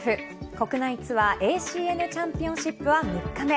国内ツアーＡＣＮチャンピオンシップは３日目。